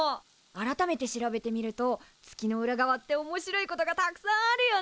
改めて調べてみると月の裏側っておもしろいことがたくさんあるよね。